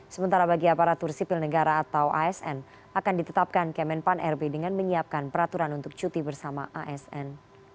sementara bagi aparatur sipil negara atau asn akan ditetapkan kemenpan rb dengan menyiapkan peraturan untuk cuti bersama asn